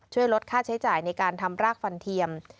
ช่วยลดค่าใช้จ่ายในการทำรากฟันเทียม